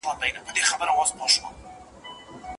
زما هيله زما د وجود هر رگ کې بهېږي